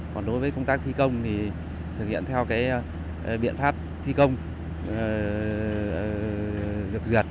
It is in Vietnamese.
còn đối với công tác thi công thì thực hiện theo biện pháp thi công